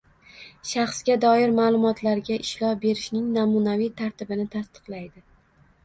Shaxsga doir ma’lumotlarga ishlov berishning namunaviy tartibini tasdiqlaydi;